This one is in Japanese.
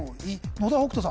野田北斗さん